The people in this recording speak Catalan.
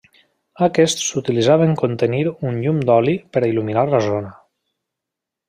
Aquests s'utilitzaven contenir un llum d'oli per a il·luminar la zona.